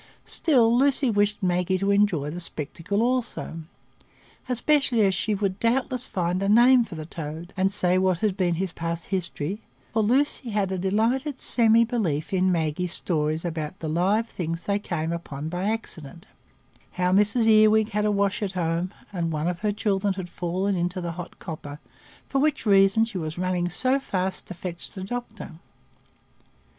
Still Lucy wished Maggie to enjoy the spectacle also, especially as she would doubtless find a name for the toad, and say what had been his past history; for Lucy had a delighted semi belief in Maggie's stories about the live things they came upon by accident,—how Mrs Earwig had a wash at home, and one of her children had fallen into the hot copper, for which reason she was running so fast to fetch the doctor.